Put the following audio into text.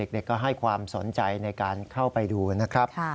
เด็กก็ให้ความสนใจในการเข้าไปดูนะครับ